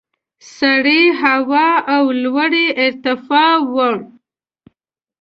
سړې هوا او لوړې ارتفاع وو.